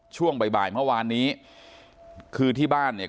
ช่วงบ่ายบ่ายเมื่อวานนี้คือที่บ้านเนี่ย